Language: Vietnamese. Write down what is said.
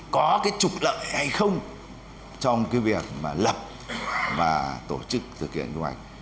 có cái trục lợi hay không trong cái việc mà lập và tổ chức thực hiện quy hoạch